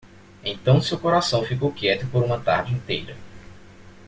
Então seu coração ficou quieto por uma tarde inteira.